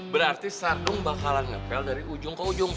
berarti sardung bakalan ngepel dari ujung ke ujung